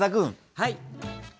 はい！